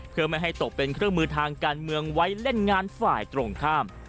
เพื่อไม่ให้ตกเป็นเครื่องมือทางการเมืองไว้เล่นงานฝ่ายตรงข้าม